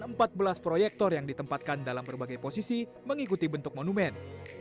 empat belas proyektor yang ditempatkan dalam berbagai posisi mengikuti bentuk monumen